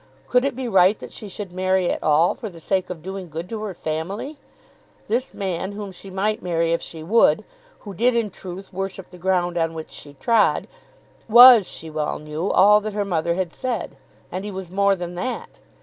Could it be right that she should marry at all, for the sake of doing good to her family? This man, whom she might marry if she would, who did in truth worship the ground on which she trod, was, she well knew, all that her mother had said. And he was more than that.